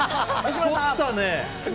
とったね！